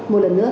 một lần nữa